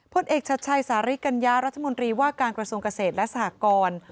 พลเอกชัดชัยสาริกัญญารัฐมนตรีว่าการกระทรวงเกษตรและสหกร